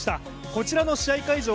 こちらの試合会場